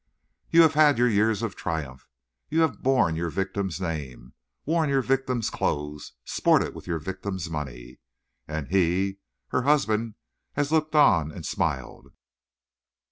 "You have had years of triumph. You have borne your victim's name, worn your victim's clothes, sported with your victim's money. And he, her husband, has looked on and smiled.